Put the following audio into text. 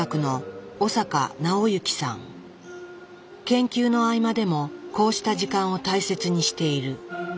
研究の合間でもこうした時間を大切にしている。